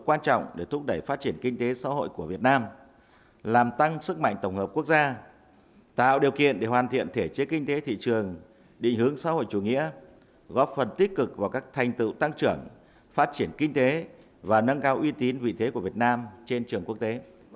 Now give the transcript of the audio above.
quan trọng để thúc đẩy phát triển kinh tế xã hội của việt nam làm tăng sức mạnh tổng hợp quốc gia tạo điều kiện để hoàn thiện thể chế kinh tế thị trường định hướng xã hội chủ nghĩa góp phần tích cực vào các thành tựu tăng trưởng phát triển kinh tế và nâng cao uy tín vị thế của việt nam trên trường quốc tế